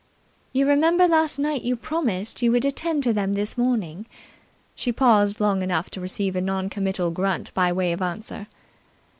"You remember last night you promised you would attend to them this morning." She paused long enough to receive a non committal grunt by way of answer.